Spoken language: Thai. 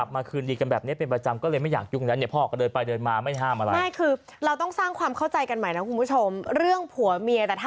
มันไม่มีคำว่ารื่องผัวเมีย